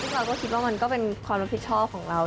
เราก็คิดว่ามันก็เป็นความรับผิดชอบของเรา